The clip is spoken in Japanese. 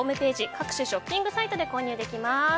各種ショッピングサイトで購入できます。